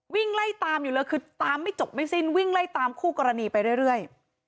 วิ่งไล่ตามอยู่เลยคือตามไม่จบไม่สิ้นวิ่งไล่ตามคู่กรณีไปเรื่อย